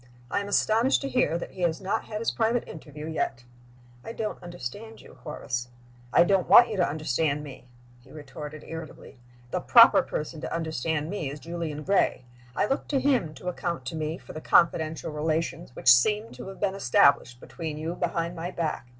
I am astonished to hear that he has not had his private interview yet." "I don't understand you, Horace." "I don't want you to understand me," he retorted, irritably. "The proper person to understand me is Julian Gray. I look to him to account to me for the confidential relations which seem to have been established between you behind my back.